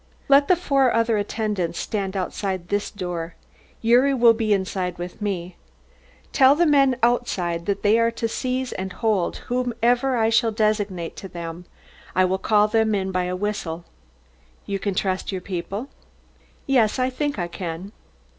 "Let the four other attendants stand outside this door. Gyuri will be inside with us. Tell the men outside that they are to seize and hold whomever I shall designate to them. I will call them in by a whistle. You can trust your people?" "Yes, I think I can."